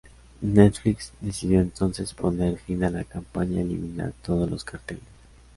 Netflix decidió entonces poner fin a la campaña y eliminar todos los carteles.